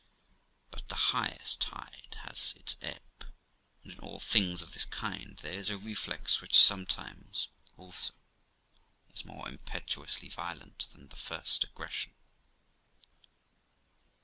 But the highest tide has its ebb; and in all things of this kind there is a reflux which sometimes, also, is more impetuously violent than the first aggression.